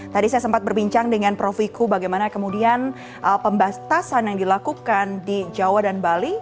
tadi saya sempat berbincang dengan prof wiku bagaimana kemudian pembatasan yang dilakukan di jawa dan bali